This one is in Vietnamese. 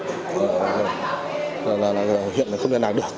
hiện là không gần nào được